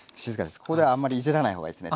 ここではあんまりいじらない方がいいですね。